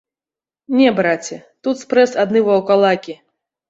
Не, браце, тут спрэс адны ваўкалакі.